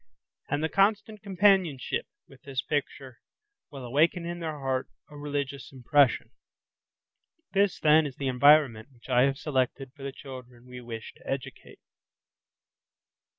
And the constant companionship with this picture will awaken in their heart a religious impression. This, then, is the environment which I have selected for the children we wish to educate.